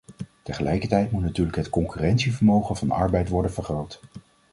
Tegelijkertijd moet natuurlijk het concurrentievermogen van arbeid worden vergroot.